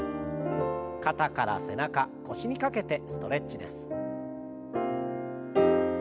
肩から背中腰にかけてストレッチです。